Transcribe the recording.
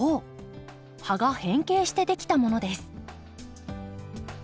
葉が変形してできたものです。